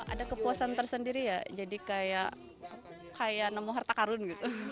ada kepuasan tersendiri ya jadi kayak nemu harta karun gitu